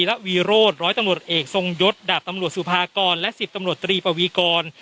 และวีโรธร้อยตำรวจเอกทรงยศดาบตำรวจสุภากรและ๑๐ตำรวจตรีปวีกร